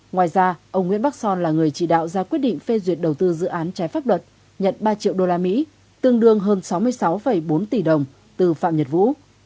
ngoài ra ông nguyễn bắc son là người chỉ đạo ra quyết định phê duyệt đầu tư dự án trái pháp luật nhận ba triệu usd tương đương hơn sáu mươi sáu bốn tỷ đồng từ phạm nhật vũ